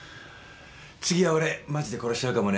次は俺マジで殺しちゃうかもね。